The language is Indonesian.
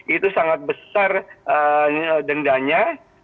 itu sangat besar dendanya